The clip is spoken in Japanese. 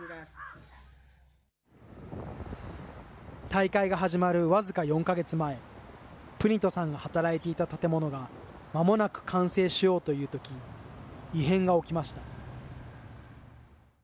大会が始まる僅か４か月前、プニトさんが働いていた建物がまもなく完成しようというとき、異変が起きました。